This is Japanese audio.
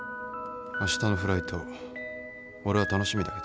明日のフライト俺は楽しみだけどな。